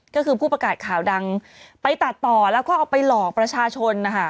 ก็คือผู้ประกาศข่าวดังไปตัดต่อแล้วก็เอาไปหลอกประชาชนนะคะ